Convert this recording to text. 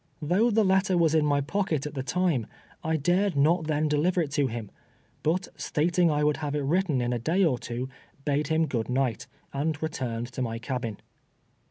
Thcnigh the letter was in my pocket at the time, I dared not then deliver it to him, l)ut stating I would have it written in a clay or two, bade him good night, and returned to my cab in.